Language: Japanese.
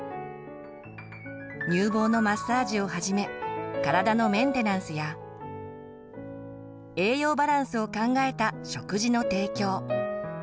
乳房のマッサージをはじめ体のメンテナンスや栄養バランスを考えた食事の提供。